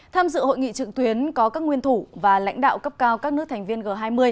tham dự hội nghị trực tuyến có các nguyên thủ và lãnh đạo cấp cao các nước thành viên g hai mươi